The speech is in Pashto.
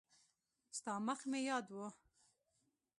ستا مخ مې یاد و.